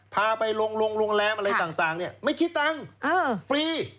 พาไปลงโรงแรมอะไรต่างไม่คิดตังค์ฟรี